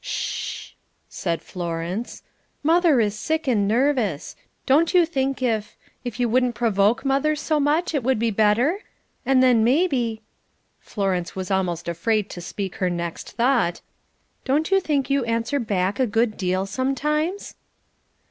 "Sh h!" said Florence. "Mother is sick and nervous. Don't you think if if you wouldn't provoke mother so much it would be better? And then maybe" Florence was almost afraid to speak her next thought "don't you think you answer back a good deal sometimes?"